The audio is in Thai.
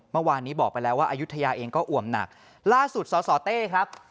เมื่อวานนี้บอกไปแล้วว่าอายุทยาเองก็อ่วมหนักล่าสุดสสเต้ครับ